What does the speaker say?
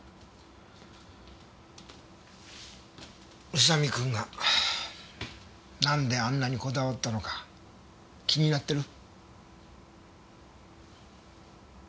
宇佐見君がなんであんなにこだわったのか気になってる？